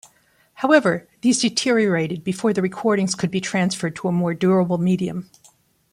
However, these deteriorated before the recordings could be transferred to a more durable medium.